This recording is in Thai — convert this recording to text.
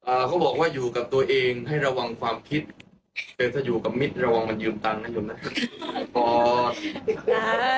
อ่าเขาบอกว่าอยู่กับตัวเองให้ระวังความพิษอยู่กับมิดระวังมันยืมตังค์